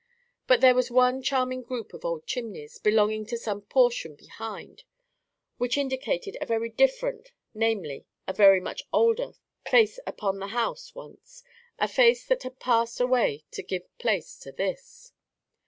But there was one charming group of old chimneys, belonging to some portion behind, which indicated a very different, namely, a very much older, face upon the house once—a face that had passed away to give place to this.